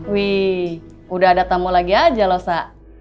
wih udah ada tamu lagi aja lo sa